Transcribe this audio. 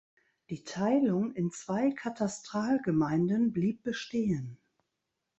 Die Teilung in zwei Katastralgemeinden blieb bestehen.